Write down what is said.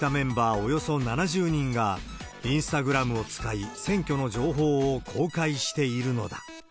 およそ７０人がインスタグラムを使い、選挙の情報を公開しているのだ。